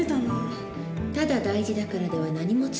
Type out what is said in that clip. ただ「大事だから」では何も伝わらない。